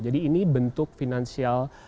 jadi ini bentuk finansial